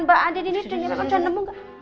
mbak andien ini udah nemu gak